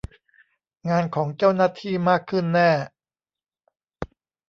งานของเจ้าหน้าที่มากขึ้นแน่